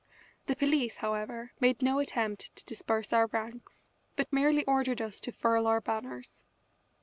The police, however, made no attempt to disperse our ranks, but merely ordered us to furl our banners.